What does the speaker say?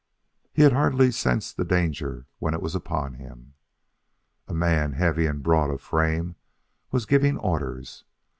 He had hardly sensed the danger when it was upon him. A man, heavy and broad of frame, was giving orders.